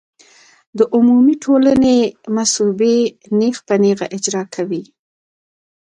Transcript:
د عمومي ټولنې مصوبې نېغ په نېغه اجرا کوي.